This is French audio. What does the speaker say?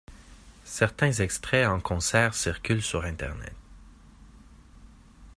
Certains extraits en concert circulent sur Internet.